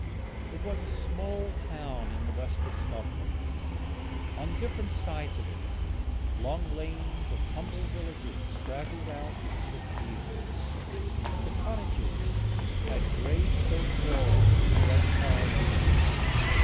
It was a small town in the west of Scotland. On different sides of it long lanes of humble cottages straggled out into the fields; the cottages had grey stone walls and red tiled roofs.